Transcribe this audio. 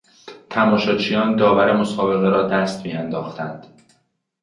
تماشاچیان داور مسابقه را دست میانداختند.